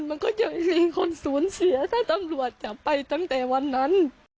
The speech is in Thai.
มันก็จะไม่มีคนสูญเสียถ้าตำรวจจะไปตั้งแต่วันนั้น